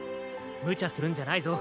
むちゃするんじゃないぞ。